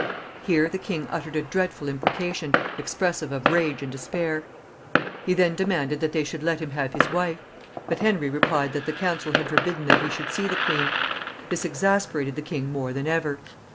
Here the king uttered a dreadful imprecation, expressive of rage and despair. [Illustration: HENRY OF BOLINGBROKE KING HENRY IV.] He then demanded that they should let him have his wife. But Henry replied that the council had forbidden that he should see the queen. This exasperated the king more than ever.